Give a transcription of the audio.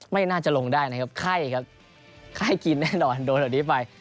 ไม่น่าจะลงได้นะครับไข้ครับไข้กินแน่นอนโดนแบบนี้ไป